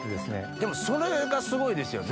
でもそれがすごいですよね。